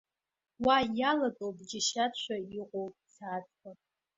Уа иалатәоуп џьашьатәшәа иҟоу ԥсаатәқәак.